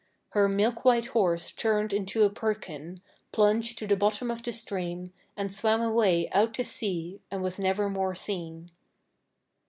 Her milk white horse turned into a perkin, plunged to the bottom of the stream, and swam away out to sea and was never more seen.